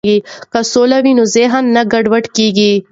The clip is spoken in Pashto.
که سوله وي نو ذهن نه ګډوډیږي.